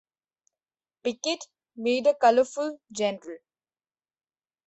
Pickett made a colorful general.